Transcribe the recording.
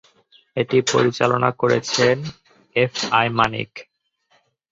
এটি পরিচালনা করেছেন এফ আই মানিক।